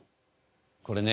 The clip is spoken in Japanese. これね